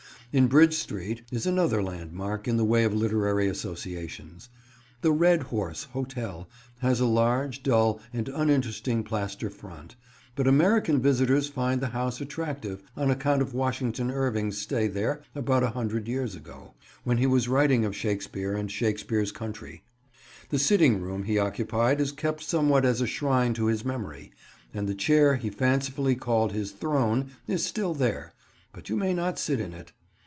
In Bridge Street is another landmark in the way of literary associations. The "Red Horse" hotel has a large, dull and uninteresting plaster front, but American visitors find the house attractive on account of Washington Irving's stay there about a hundred years ago, when he was writing of Shakespeare and Shakespeare's country. The sitting room he occupied is kept somewhat as a shrine to his memory, and the chair he fancifully called his "throne" is still there, but you may not sit in it.